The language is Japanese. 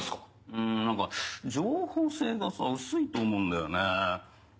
うん何か情報性がさ薄いと思うんだよね。